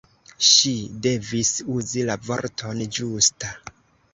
Ŝi devis uzi la vorton ĝusta.